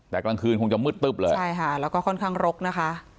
แต่กลางคืนคงจะมืดตึ๊บเลยใช่ค่ะแล้วก็ค่อนข้างรกนะคะ